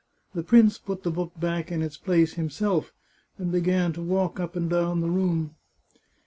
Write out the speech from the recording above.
The prince put the book back in its place himself, and began to walk up and down the room.